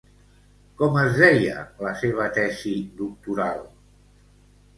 Com es deia la seva tesi doctoral?